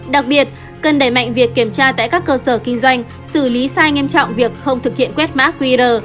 đặc biệt cần đẩy mạnh việc kiểm tra tại các cơ sở kinh doanh xử lý sai nghiêm trọng việc không thực hiện quét mã qr